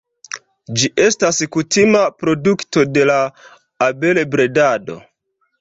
Ĝi estas kutima produkto de la abelbredado.